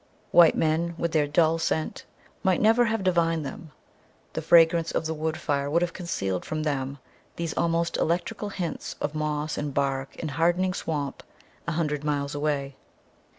White men, with their dull scent, might never have divined them; the fragrance of the wood fire would have concealed from them these almost electrical hints of moss and bark and hardening swamp a hundred miles away.